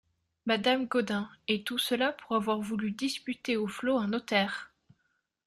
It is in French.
Madame Gaudin Et tout cela pour avoir voulu disputer aux flots un notaire !